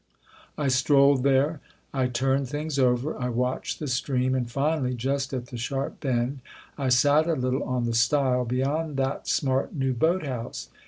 I strolled there, I turned things over, I watched the stream and, finally just at the sharp bend I sat a little on the stile beyond that smart new boat house."